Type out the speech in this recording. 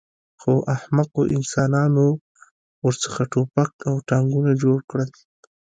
خو احمقو انسانانو ورڅخه ټوپک او ټانکونه جوړ کړل